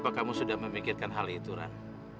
apakah kamu sudah memikirkan hal itu ran